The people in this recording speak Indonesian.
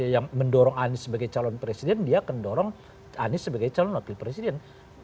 yang mendorong anies sebagai calon presiden dia akan dorong anies sebagai calon wakil presiden